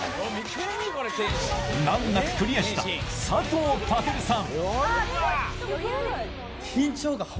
難なくクリアした佐藤健さん。